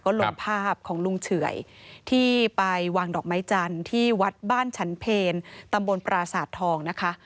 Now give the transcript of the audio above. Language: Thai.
ลงภาพของลุงเฉื่อยที่ไปวางดอกไม้จันทร์ที่วัดบ้านฉันเพลตำบลปราสาททองนะคะ